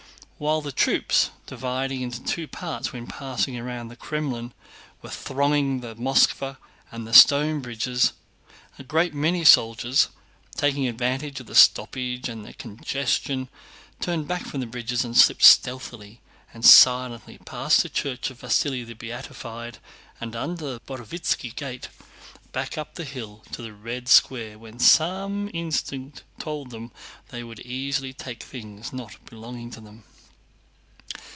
While the troops, dividing into two parts when passing around the Krémlin, were thronging the Moskvá and the Stone bridges, a great many soldiers, taking advantage of the stoppage and congestion, turned back from the bridges and slipped stealthily and silently past the church of Vasíli the Beatified and under the Borovítski gate, back up the hill to the Red Square where some instinct told them they could easily take things not belonging to them.